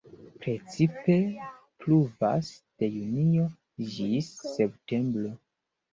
Precipe pluvas de junio ĝis septembro.